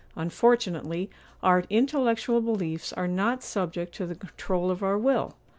Unfortunately, our intellectual beliefs are not subject to the control of our will.